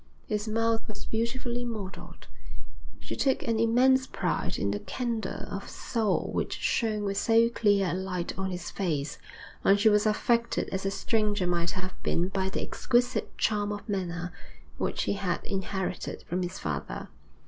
His mouth was beautifully modelled. She took an immense pride in the candour of soul which shone with so clear a light on his face, and she was affected as a stranger might have been by the exquisite charm of manner which he had inherited from his father.